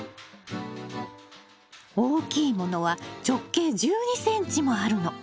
大きいものは直径１２ｃｍもあるの。